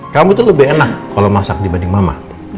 kamu tuh lebih enak kalau masak dibanding mama